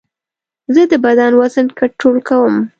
زه د بدن وزن کنټرول کوم.